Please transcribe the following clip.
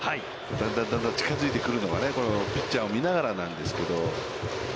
だんだんだんだん近づいてくるのはね、ピッチャーも見ながらなんですけど。